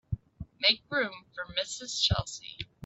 Make room for Mrs. Chelsea.